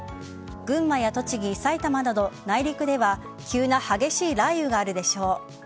群馬や栃木、埼玉など内陸では急な激しい雷雨があるでしょう。